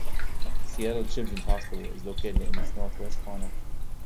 Seattle Children's Hospital is located in its northwest corner.